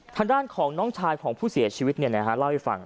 ทางด้านของน้องชายของผู้เสียชีวิตเล่าให้ฟัง